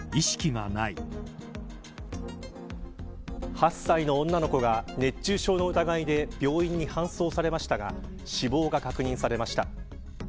８歳の女の子が熱中症の疑いで病院に搬送されましたが死亡が確認されました。